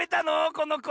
このこ。